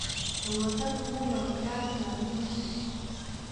له وطن، مور او پلار سره مینه وکړئ.